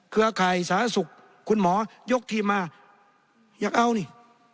เครือข่ายสาธารณสุขคุณหมอยกทีมมาอยากเอานี่